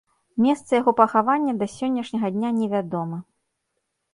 Месца яго пахавання да сённяшняга дня не вядома.